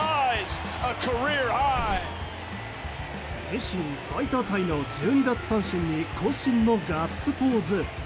自身最多タイの１２奪三振に渾身のガッツポーズ。